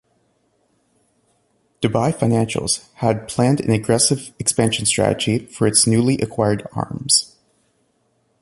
Dubai Financials had planned an aggressive expansion strategy for its newly acquired arms.